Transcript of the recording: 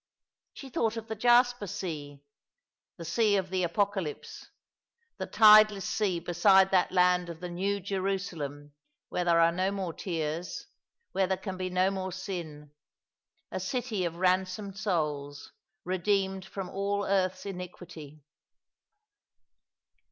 She thought of the jasper sea — the sea of the Apocalypse, the tideless sea beside that land of the New Jerusalem where there are no more tears, where there can be no more sin, a city of ransomed souls, redeemed from all earth's iniquity.